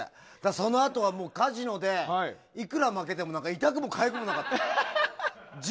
そのあとはもうカジノでいくら負けても痛くもかゆくもなかった。